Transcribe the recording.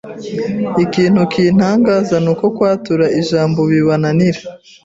ikintu kintangaza n’uko kwatura ijambo bibananira